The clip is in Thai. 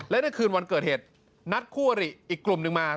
และในคืนวันเกิดเหตุนัดคู่อริอีกกลุ่มหนึ่งมา